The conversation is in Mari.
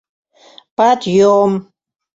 Па-адъём!